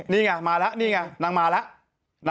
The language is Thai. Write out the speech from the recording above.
นี่ไงมาแล้วนรรม่าแล้ว